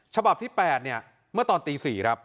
ฉบับที่๘เนี่ยเมื่อตอนตี๔ครับ